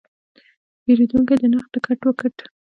پیرودونکی د نرخ ټکټ وکت.